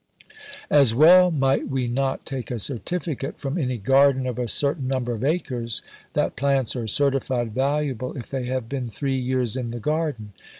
As well might we not take a certificate from any garden of a certain number of acres, that plants are certified valuable if they have been three years in the garden?"